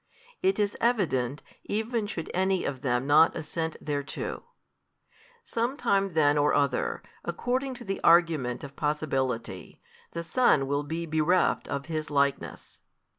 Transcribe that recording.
It is evident, even should any of them not assent thereto. Some time then or other, according to the argument of possibility, the Son will be bereft of His Likeness.